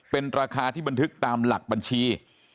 เป็นราคาที่บันทึกตามหลักบัญชี